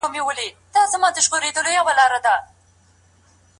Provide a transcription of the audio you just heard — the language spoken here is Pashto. د مسلکي زده کړو لپاره کورسونه جوړېږي.